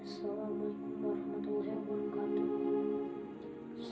assalamualaikum warahmatullahi wabarakatuh